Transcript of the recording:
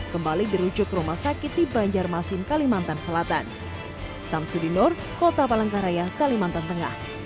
kembali dirujuk ke rumah sakit di banjarmasin kalimantan selatan